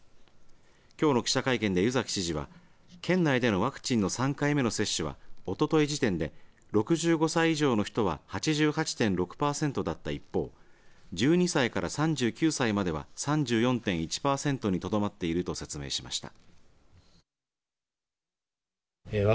きょうの記者会見で湯崎知事は県内でのワクチンの３回目の接種はおととい時点で６５歳以上の人は８８．６パーセントだった一方１２歳から３９歳までは３４．１パーセントにとどまっていると説明しました。